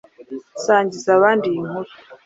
Sangiza abandi iyi nkuru